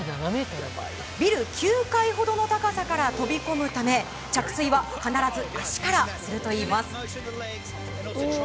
ビル９階ほどの高さから飛び込むため着水は必ず足からするといいます。